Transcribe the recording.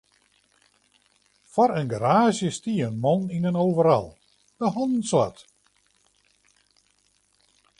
Foar in garaazje stie in man yn in overal, de hannen swart.